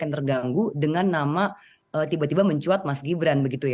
yang terganggu dengan nama tiba tiba mencuat mas gibran